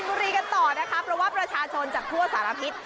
ปราจินบุรีกันต่อนะคะประวัติประชาชนจากทั่วสารพิษ